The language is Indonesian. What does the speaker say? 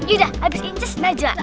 udah habis inces naja